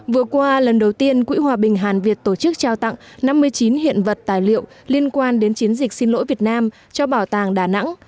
vừa qua lần đầu tiên quỹ hòa bình hàn việt tổ chức trao tặng năm mươi chín hiện vật tài liệu liên quan đến chiến dịch xin lỗi việt nam cho bảo tàng đà nẵng